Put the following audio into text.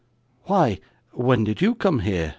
'Why, when did you come here?